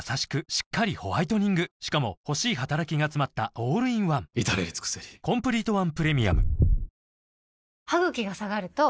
しっかりホワイトニングしかも欲しい働きがつまったオールインワン至れり尽せりタンターン！